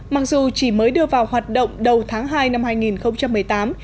mặc dù chỉ mới đưa vào hoạt động đầu tháng hai năm hai nghìn một mươi tám